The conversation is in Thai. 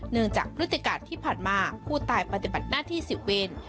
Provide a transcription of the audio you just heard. จากพฤติการที่ผ่านมาผู้ตายปฏิบัติหน้าที่๑๐เวร